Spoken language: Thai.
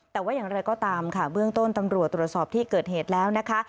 แต่ว่าอย่างไรก็ตามค่ะเบื้องต้นตำรวจตรวจสอบที่เกิดเหตุแล้วนะคะ